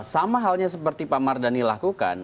sama halnya seperti pak mardhani lakukan